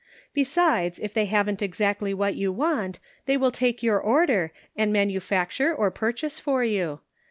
Besides if they haven't exactly what you want, they will take your order, and manu facture or purchase for you.